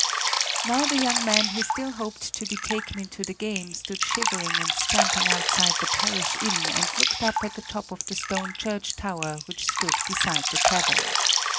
Now the young men who still hoped to be taken into the game stood shivering and stamping outside the parish inn and looked up at the top of the stone church tower which stood beside the tavern.